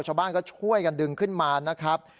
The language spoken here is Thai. ชาวบ้านก็ช่วยกันดึงขึ้นมานะครับ